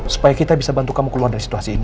supaya kita bisa bantu kamu keluar dari situasi ini